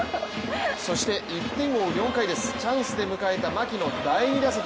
そして１点を追う４回です、チャンスで迎えた牧の第２打席。